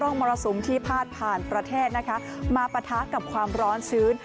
มรสุมที่พาดผ่านประเทศนะคะมาปะทะกับความร้อนชื้น